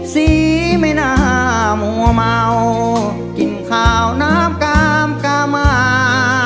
สีไม่น่ามัวเมากินขาวน้ำกามกามา